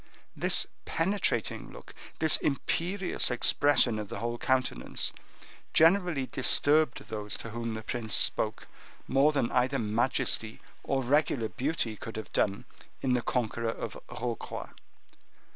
This penetrating look, this imperious expression of the whole countenance, generally disturbed those to whom the prince spoke, more than either majesty or regular beauty could have done in the conqueror of Rocroi.